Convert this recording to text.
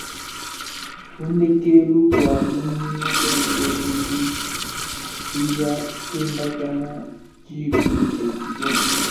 Kundekelu kua lumingu lonsu tutu tuya kendakana dikuu dietu dionsu.